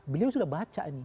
beliau sudah baca ini